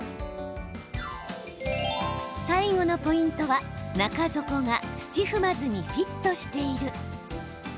最後のポイントは中底が土踏まずにフィットしている。